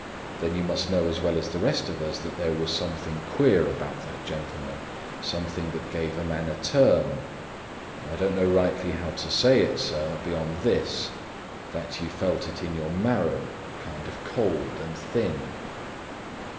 "Then you must know as well as the rest of us that there was something queer about that gentleman—something that gave a man a turn—I don't know rightly how to say it, sir, beyond this: that you felt in your marrow kind of cold and thin."